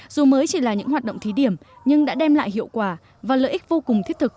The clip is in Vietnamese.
dù mới chỉ là những hoạt động thí điểm nhưng đã đem lại hiệu quả và lợi ích vô cùng thiết thực